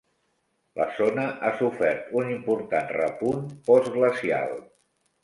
La zona ha sofert un important repunt postglacial.